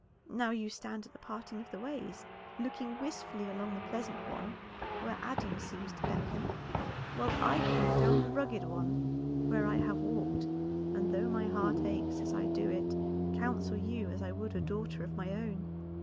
Now you stand at the parting of the ways, looking wistfully along the pleasant one where Adam seems to beckon, while I point down the rugged one where I have walked, and though my heart aches as I do it, counsel you as I would a daughter of my own."